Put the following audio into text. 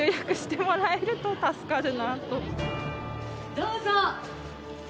どうぞ。